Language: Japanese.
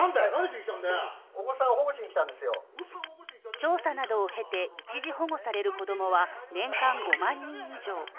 調査などを経て、一時保護される子供は年間５万人以上。